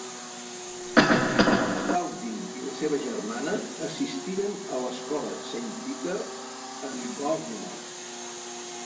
Dowding i la seva germana assistiren a l'escola Saint Peter en Bournemouth.